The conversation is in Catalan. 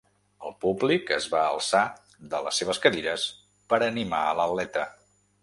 El públic es va alçar de les seves cadires per animar a l’atleta.